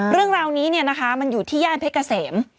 เรื่องราวนี้เนี่ยนะคะมันอยู่ที่ย่านเพชรเกษม